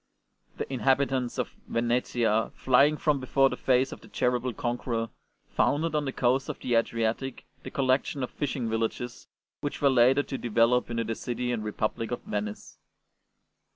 The inhabitants of Venetia, flying from before the face of the terrible conqueror, founded on the coast of the Adriatic the collection of fishing villages which were later to develop into the city and republic of Venice.